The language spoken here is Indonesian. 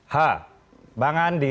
hah bang andi